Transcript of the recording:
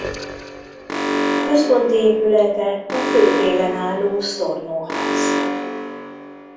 Központi épülete a Fő téren álló Storno-ház.